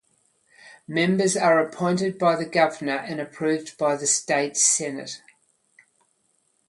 Members are appointed by the governor and approved by the state senate.